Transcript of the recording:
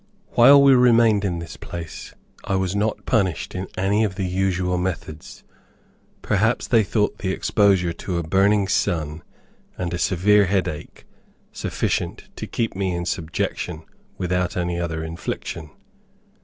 While we remained at this place I was not punished in any of the usual methods. Perhaps they thought the exposure to a burning sun, and a severe headache, sufficient to keep me in subjection without any other infliction.